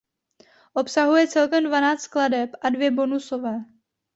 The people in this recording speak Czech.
Obsahuje celkem dvanáct skladeb a dvě bonusové.